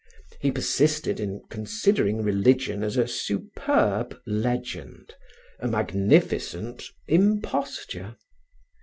He persisted in considering religion as a superb legend, a magnificent imposture.